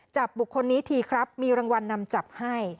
จับบุคคลนี้ทีครับมีรางวัลนำจับให้